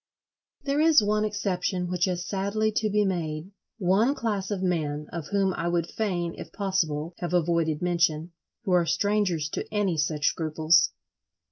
There is one exception which has sadly to be made—one class of men, of whom I would fain, if possible, have avoided mention, who are strangers to any such scruples.